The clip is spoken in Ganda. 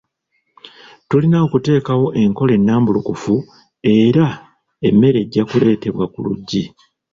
Tulina okuteekawo enkola ennambulukufu era emmere ejja ku leetebwa ku luggi.